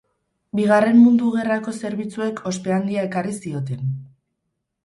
Bigarren Mundu Gerrako zerbitzuek ospe handia ekarri zioten.